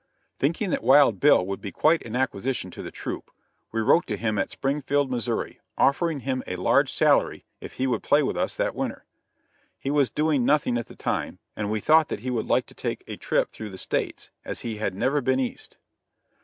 Thinking that Wild Bill would be quite an acquisition to the troupe, we wrote to him at Springfield, Missouri, offering him a large salary if he would play with us that winter. He was doing nothing at the time, and we thought that he would like to take a trip through the States, as he had never been East.